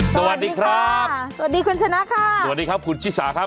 สวัสดีครับสวัสดีคุณชนะค่ะสวัสดีครับคุณชิสาครับ